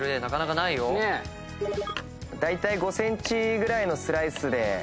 だいたい５ｃｍぐらいのスライスで。